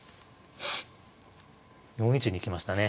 ４一に行きましたね。